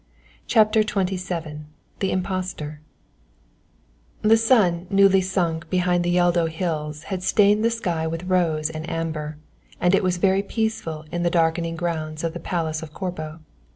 CHAPTER XXVII THE IMPOSTOR The sun newly sunk behind the Yeldo Hills had stained the sky with rose and amber, and it was very peaceful in the darkening grounds of the Palace of Corbo.